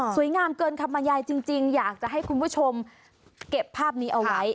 งามเกินคำบรรยายจริงอยากจะให้คุณผู้ชมเก็บภาพนี้เอาไว้